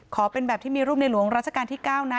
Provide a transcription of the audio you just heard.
เป็นแบบที่มีรูปในหลวงราชการที่๙นะ